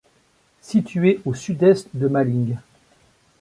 Situé au sud-est de Malling.